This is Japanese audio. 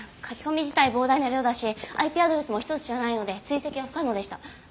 書き込み自体膨大な量だしＩＰアドレスも１つじゃないので追跡は不可能でした。